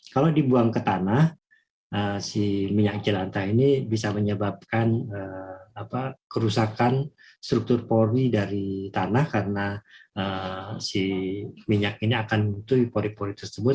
kalau dibuang ke tanah si minyak jelanta ini bisa menyebabkan kerusakan struktur polri dari tanah karena si minyak ini akan butuhi pori pori tersebut